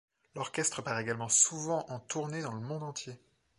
L'orchestre part également souvent en tournée dans le monde entier.